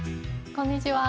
こんにちは。